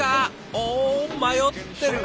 お迷ってる。